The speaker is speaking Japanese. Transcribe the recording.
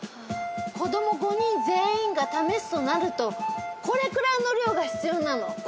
子供５人全員が試すとなるとこれくらいの量が必要なの。